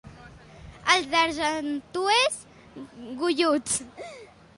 Els d'Argestues, golluts.